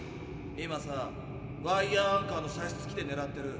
今さワイヤーアンカーの射出器でねらってる。